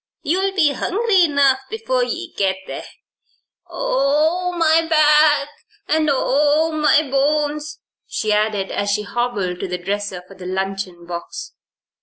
You'll be hungry enough before ye git there Oh, my back and oh, my bones!" she added, as she hobbled to the dresser for the luncheon box.